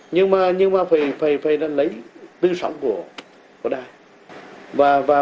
nhưng mà phải lấy tên sóng của đài